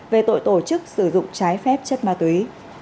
về tội tổ chức sử dụng trái phép chất ma túy